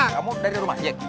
kamu dari rumah jack